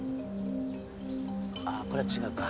あーこれは違うか。